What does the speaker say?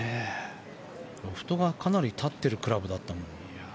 ロフトがかなり立ってるクラブだったもん。